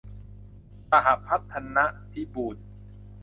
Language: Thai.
สหพัฒนพิบูล